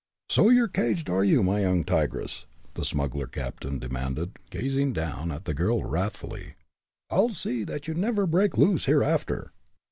"So you're caged, are you, my young tigress?" the smuggler captain demanded, gazing down at the girl, wrathfully. "I'll see that you never break loose hereafter!"